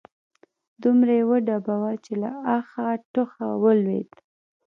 دومره يې وډباوه چې له اخه، ټوخه ولوېد